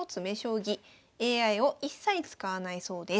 ＡＩを一切使わないそうです。